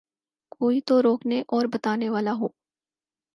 کوئی تو روکنے اور بتانے والا ہو۔